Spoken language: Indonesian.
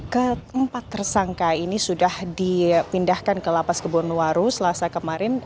keempat tersangka ini sudah dipindahkan ke lapas ke bonuwaru selasa kemarin